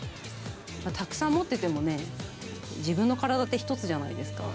たくさん持っててもね、自分の体って１つじゃないですか。